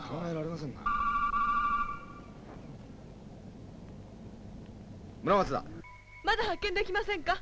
まだ発見できませんか？